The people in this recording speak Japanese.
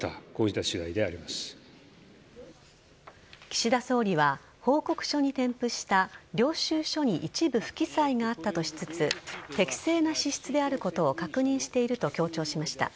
岸田総理は、報告書に添付した領収書に一部不記載があったとしつつ適正な支出であることを確認していると強調しました。